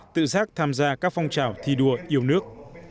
tự giác tham gia các phong trào thi đua yêu nước